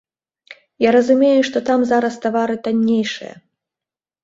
Я разумею, што там зараз тавары таннейшыя.